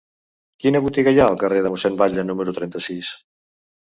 Quina botiga hi ha al carrer de Mossèn Batlle número trenta-sis?